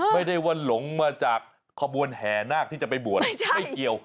ไม่ได้ว่าหลงมาจากขบวนแห่นาคที่จะไปบวชไม่เกี่ยว